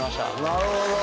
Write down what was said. なるほど。